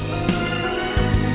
beautiful rambut suku